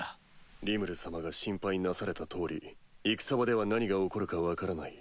リムル様が心配なされた通り戦場では何が起こるか分からない。